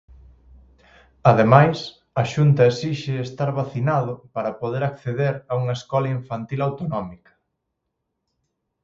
Ademais, a Xunta esixe estar vacinado para poder acceder a unha escola infantil autonómica.